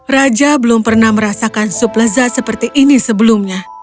raja belum pernah merasakan sup lezat seperti ini sebelumnya